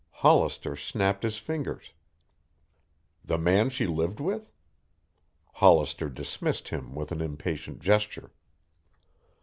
Hollister snapped his fingers. The man she lived with? Hollister dismissed him with an impatient gesture.